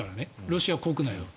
ロシアの国内は。